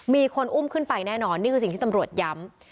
มีคนอุ้มขึ้นไปแน่นอนนี่คือสิ่งที่ตำรวจย้ำ